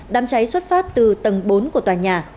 đám cháy xuất phát từ tầng bốn của tòa nhà